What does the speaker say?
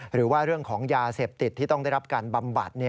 หรือว่าเรื่องของยาเสพติดที่ต้องได้รับการบำบัด